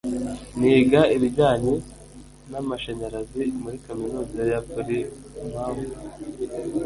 niga ibijyanye n'amashanyarazi muri kaminuza ya plymouth